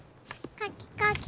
かきかき。